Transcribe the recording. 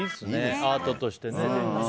アートとしてね。